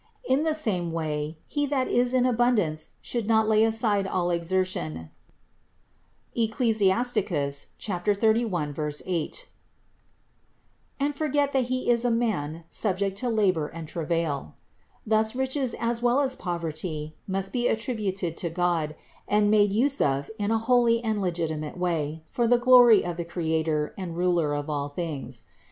In the same way he that is in abundance should not (Eccli. 31, 8) lay aside all exertion and forget that he is a man subject to labor and travail. Thus riches as well as poverty must be attributed to God and made use of in a holy and legitimate way for the glory of the Creator and Ruler of all things.